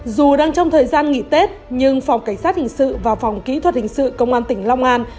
dù đang trong thời gian nghỉ tết nhưng phòng cảnh sát hình sự và phòng kỹ thuật hình sự công an tỉnh long an